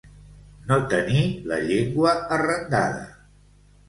No tenir la llengua arrendada.